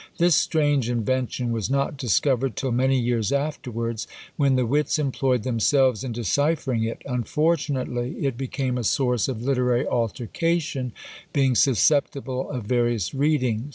This strange invention was not discovered till many years afterwards: when the wits employed themselves in deciphering it, unfortunately it became a source of literary altercation, being susceptible of various readings.